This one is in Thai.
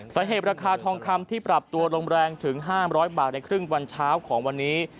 สาเหตุราคาทองคำที่ปรับตัวลงแรงถึง๕๐๐บาทในครึ่งวันเช้าของวันนี้